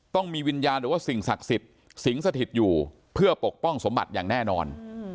ต้องมีวิญญาณหรือว่าสิ่งศักดิ์สิทธิ์สิงสถิตอยู่เพื่อปกป้องสมบัติอย่างแน่นอน